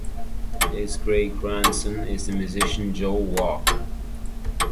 His Great Grandson is the musician Joe Volk.